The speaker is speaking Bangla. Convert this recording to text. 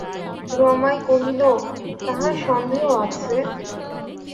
রমাই কহিল, তাহার সন্দেহ আছে!